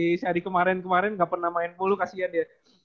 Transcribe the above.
mas lagi sehari kemarin kemarin nggak pernah main bulu kasian dia